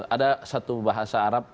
ada satu bahasa arab